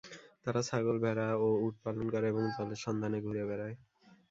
তারা ছাগল, ভেড়া, ও উট পালন করে এবং জলের সন্ধানে ঘুরে বেড়ায়।